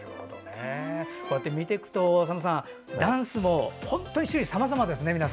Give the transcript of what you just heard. こうやって見ていくとＳＡＭさんダンスも本当に種類がさまざまですね。